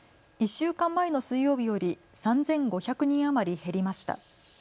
１週間前の水曜日より３５００人余り減りました。